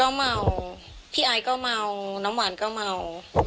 ก็เมาพี่ไอซ์ก็เมาน้ำหวานก็เมา